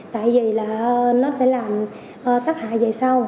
tại vì là nó sẽ làm tắc hại về sau